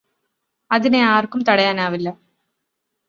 അതിനെയാർക്കും തടയാനാവില്ല